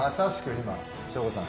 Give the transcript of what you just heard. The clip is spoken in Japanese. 今、省吾さん